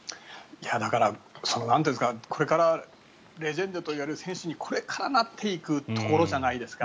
だから、これからレジェンドといわれる選手にこれから、なっていくところじゃないですか。